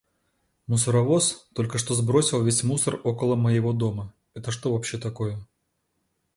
Мусоровоз только что сбросил весь мусор около моего дома. Это что вообще такое?